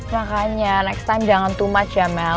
makanya next time jangan to much ya mel